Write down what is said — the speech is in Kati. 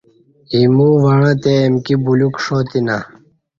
ایمو وعں تے امکی بلیوک ݜاتینہ